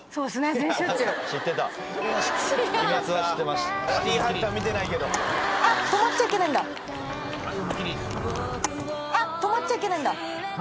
全集中あっ止まっちゃいけないんだは